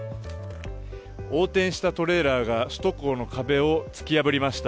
横転したトレーラーが首都高の壁を突き破りました。